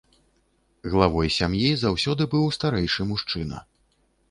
Главой сям'і заўсёды быў старэйшы мужчына.